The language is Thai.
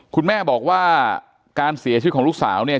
คุณแม่บอกว่าการเสียชีวิตของลูกสาวเนี่ย